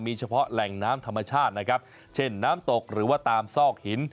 เฉพาะแหล่งน้ำธรรมชาตินะครับเช่นน้ำตกหรือว่าตามซอกหิน